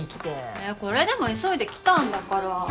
えこれでも急いで来たんだから。